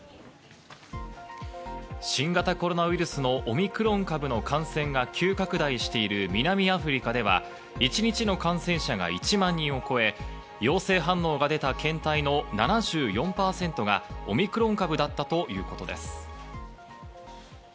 新型コロナウイルスのオミクロン株の感染が急拡大している南アフリカでは、一日の感染者が１万人を超え、陽性反応が出た検体の７４％がオミクロン株だったということです。